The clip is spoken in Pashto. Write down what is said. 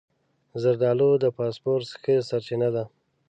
زردالو د فاسفورس ښه سرچینه ده.